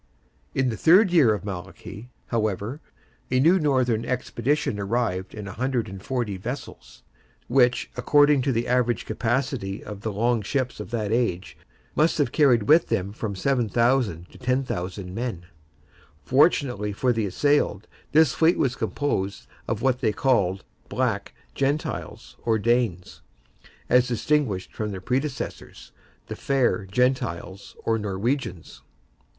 In the third year of Malachy, however, a new northern expedition arrived in 140 vessels, which, according to the average capacity of the long ships of that age, must have carried with them from 7,000 to 10,000 men. Fortunately for the assailed, this fleet was composed of what they called Black Gentiles, or Danes, as distinguished from their predecessors, the Fair Gentiles, or Norwegians.